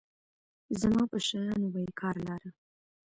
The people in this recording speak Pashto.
زما په شيانو به يې کار لاره.